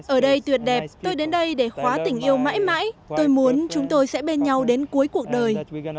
ở đây tuyệt đẹp tôi đến đây để khóa tình yêu mãi mãi tôi muốn chúng tôi sẽ bên nhau đến cuối cuộc đời